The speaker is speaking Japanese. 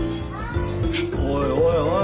おいおいおい。